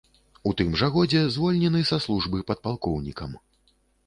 У тым жа годзе звольнены ад службы падпалкоўнікам.